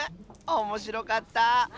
おもしろかった！